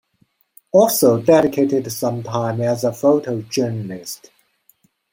Also dedicated some time as a Photo Journalist.